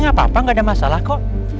gak apa apa nggak ada masalah kok